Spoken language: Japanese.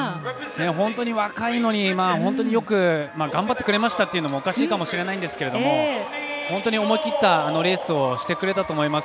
本当に若いのに本当によく頑張ってくれましたっていうのもおかしいかもしれないんですが本当に思い切ったレースをしてくれたと思います。